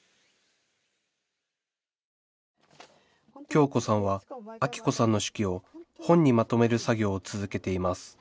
京子さんはアキ子さんの手記を本にまとめる作業を続けています